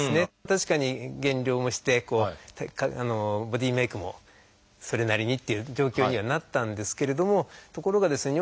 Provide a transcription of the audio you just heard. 確かに減量もしてボディーメイクもそれなりにっていう状況にはなったんですけれどもところがですね